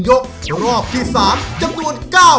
โดยการแข่งขาวของทีมเด็กเสียงดีจำนวนสองทีม